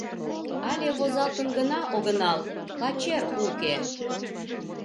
Але возалтын гына огынал, пачер уке.